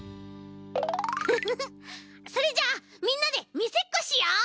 フフフそれじゃあみんなでみせっこしよう！